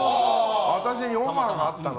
私、オファーがあったの。